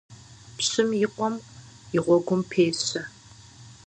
Пщым и къуэм и гъуэгум пещэ.